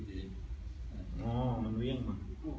อ๋อมันเวี่ยงว่ะ